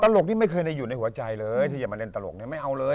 ตลกที่ไม่เคยได้อยู่ในหัวใจเลยถ้าอยากมาเล่นตลกไม่เอาเลย